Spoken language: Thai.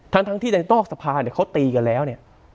ทั้งที่ในนอกสภาเนี่ยเขาตีกันแล้วเนี่ย